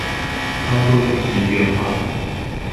操作更直覺化